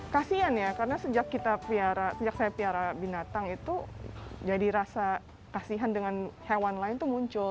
kasian ya karena sejak saya piara binatang itu jadi rasa kasihan dengan hewan lain itu muncul